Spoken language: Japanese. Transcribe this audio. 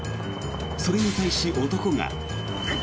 それに対し、男が。